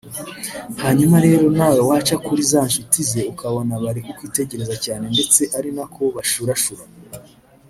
hanyuma rero nawe waca kuri za nshuti ze ukabona bari kukwitegereza cyane ndetse ari nako bashurashura